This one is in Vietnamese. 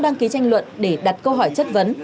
để đặt câu hỏi chất vấn